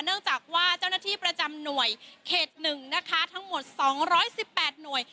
เนื่องจากว่าเจ้าหน้าที่ประจำหน่วยเขตหนึ่งนะคะทั้งหมดสองร้อยสิบแปดหน่วย